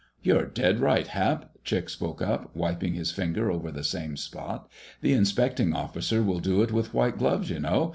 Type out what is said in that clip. "You're dead right, Hap," Chick spoke up, wiping his finger over the same spot. "The inspecting officer will do it with white gloves, you know.